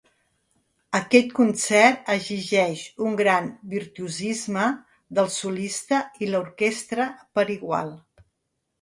Aquest concert exigeix un gran virtuosisme del solista i l'orquestra per igual.